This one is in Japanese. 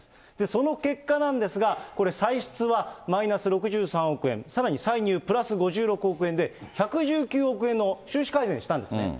その結果なんですが、これ、歳出はマイナス６３億円、さらに歳入プラス５６億円で、１１９億円の収支改善したんですね。